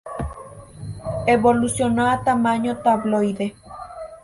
Evolucionó a tamaño tabloide.